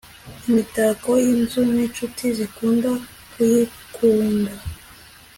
imitako yinzu ninshuti zikunda kuyikunda